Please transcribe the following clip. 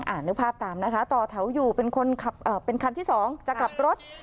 นึกภาพตามนะคะต่อแถวอยู่เป็นคันที่สองจะกลับรถ